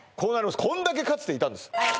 こんだけかつていたんです